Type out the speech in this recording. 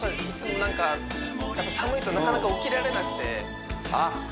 いつもなんかやっぱ寒いとなかなか起きられなくてあっ